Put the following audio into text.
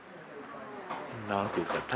なんていうんですかね